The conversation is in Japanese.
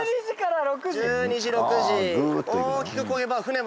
１２時６時あっ